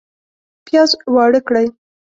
پیاز واړه کړئ